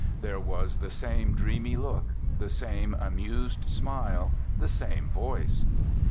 There was the same dreamy look, the same amused smile, the same voice.